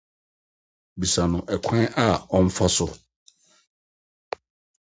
Bisa no ɔkwan a ɔmfa so.